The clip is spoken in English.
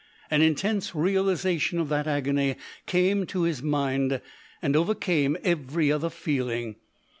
An intense realisation of that agony came to his mind, and overcame every other feeling.